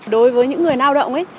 đối với những người lao động ấy